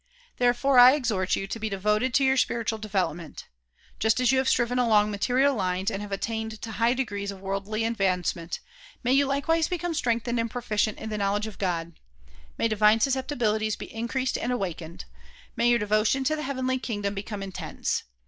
Therefore I exhort you to be devoted to your spiritual develop ment. Just as you have striven along material lines and have attained to high degrees of worldly advancement, may you like wise become strengthened and proficient in the knowledge of God. May divine susceptibilities be increased and awakened; may your devotion to the heavenly kingdom become intense.